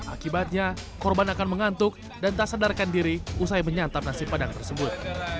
akibatnya korban akan mengantuk dan tak sadarkan diri usai menyantap nasi padang tersebut